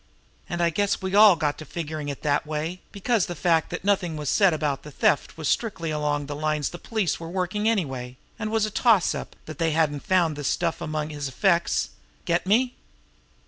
And I guess we all got to figuring it that way, because the fact that nothing was said about any theft was strictly along the lines the police were working anyway, and a was a toss up that they hadn't found the stuff among his effects. Get me?"